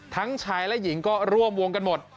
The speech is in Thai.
ทั้งชายและหญิงก็ร่วมวงกันหมด